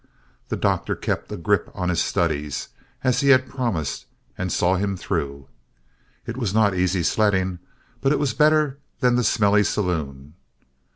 The Doctor kept a grip on his studies, as he had promised, and saw him through. It was not easy sledding, but it was better than the smelly saloon.